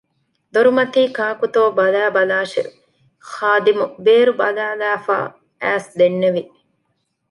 ދޮރުމަތީކާކުތޯ ބަލައިބަލާށެވެ! ޚާދިމު ބޭރުބަލައިލައިފައި އައިސް ދެންނެވި